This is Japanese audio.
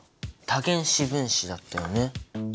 多原子分子だったよね。